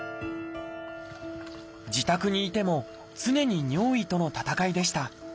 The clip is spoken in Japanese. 自宅にいても常に尿意との闘いでした。